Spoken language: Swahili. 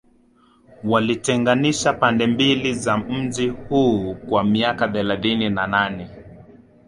Walitenganisha pande mbili za mji huu kwa miaka thelathini na nane